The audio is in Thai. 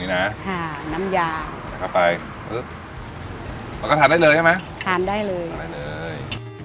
เลยนะค่ะน้ำยาวล่ะไปเนี้ยเราก็ได้เลยใช่ไหมทานได้เลย